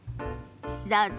どうぞ。